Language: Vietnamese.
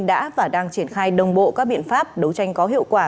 đã và đang triển khai đồng bộ các biện pháp đấu tranh có hiệu quả